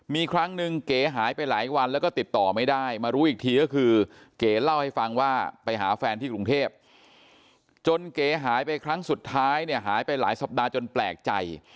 มีครั้งหนึ่งเก๋หายไปหลายวันแล้วก็ติดต่อไม่ได้มารู้อีกทีก็คือเก๋เล่าให้ฟังว่าไปหาแฟนที่กรุงเทพจนเก๋หายไปครั้งสุดท้ายเนี่ยหายไปหลายสัปดาห์จนแปลกใจ